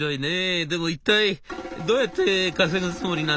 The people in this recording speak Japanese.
でも一体どうやって稼ぐつもりなんだい？」。